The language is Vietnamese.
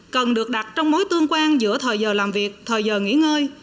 cần được đặt trong mối tương quan giữa thời giờ làm việc thời giờ nghỉ ngơi